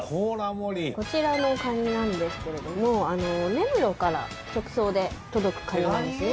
こちらのカニなんですけれども根室から直送で届くカニなんですね。